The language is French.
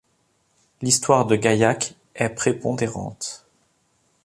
L'histoire de Gaillac est prépondérante.